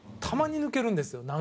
たまに抜けるんですよ。